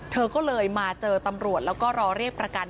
เธอก็เลยมาเจอตำรวจแล้วก็รอเรียกประกัน